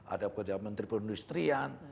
ada kerja menteri perindustrian